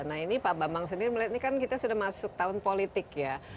nah ini pak bambang sendiri melihat ini kan kita sudah masuk tahun politik ya